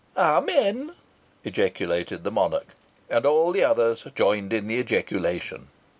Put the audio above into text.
"Amen!" ejaculated the monarch. And all the others joined in the ejaculation.